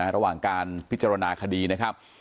ระหว่างการพิจารณาคดีนะครับ